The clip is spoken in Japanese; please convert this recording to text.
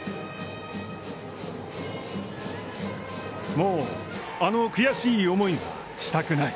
もう、あの悔しい思いはしたくない。